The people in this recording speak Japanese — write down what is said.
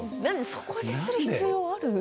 そこでする必要ある？